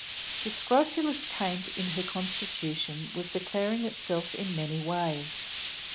The scrofulous taint in her constitution was declaring itself in many ways.